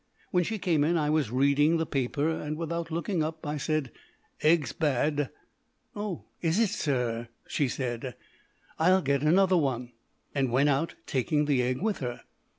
When she came in I was reading the paper, and, without looking up, I said, "Egg's bad." "Oh, is it, sir? " she said; "I'll get another one," and went out, taking the egg with her.